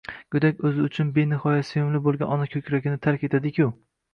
Go'dak o'zi uchun benixoya sevimli bo'lgan ona ko'kragini tark etadiku.